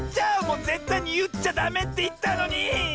もうぜったいにいっちゃダメっていったのに！